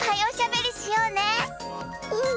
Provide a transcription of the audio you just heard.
うん！